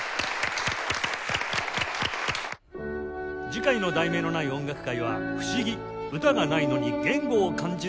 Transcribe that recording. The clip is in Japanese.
次回の『題名のない音楽会』は「不思議！歌がないのに言語を感じる音楽会」